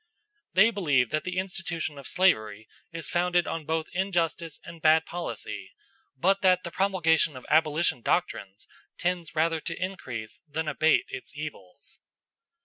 "They believe that the institution of slavery is founded on both injustice and bad policy, but that the promulgation of abolition doctrines tends rather to increase than abate its evils."